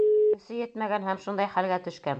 Көсө етмәгән һәм шундай хәлгә төшкән.